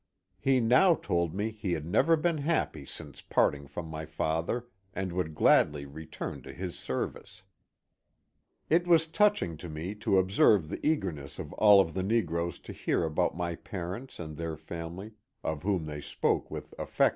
He now told me he had never been happy since parting from my fa ther, and would gladly return to his service. It was touching to me to observe the eagerness of all of the negroes to hear about my parents and their family, of whom they spoke with affection and emotion.